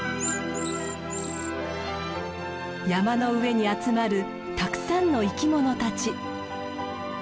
山の上に集まるたくさんの生きものたち。